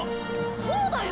そうだよ！